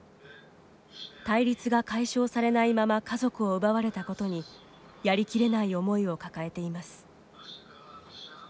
対立が解消されないまま家族を奪われたことにやりきれない思いを抱えています。